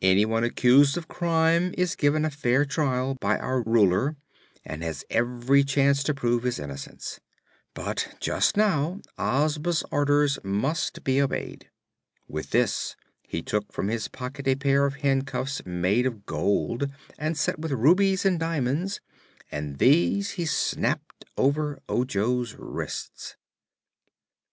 "Anyone accused of crime is given a fair trial by our Ruler and has every chance to prove his innocence. But just now Ozma's orders must be obeyed." With this he took from his pocket a pair of handcuffs made of gold and set with rubies and diamonds, and these he snapped over Ojo's wrists.